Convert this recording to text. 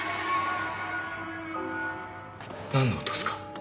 なんの音っすか？